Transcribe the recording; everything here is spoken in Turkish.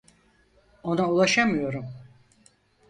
Ona ulaşamıyorum.